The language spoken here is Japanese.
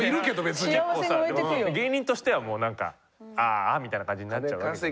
結構さでも芸人としてはもうなんかああみたいな感じになっちゃうわけじゃん。